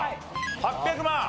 ８００万？